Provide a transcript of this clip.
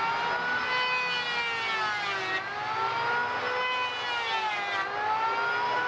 kayu lurus seperti ini